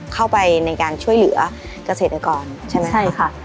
เข้าไปในการช่วยเหลือเกษตรกรใช่ไหมใช่ค่ะ